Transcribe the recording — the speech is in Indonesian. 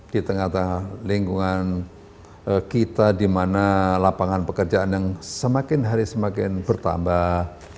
di tengah tengah lingkungan kita di mana lapangan pekerjaan yang semakin hari semakin bertambah